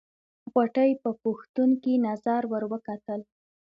غوټۍ په پوښتونکې نظر ور وکتل.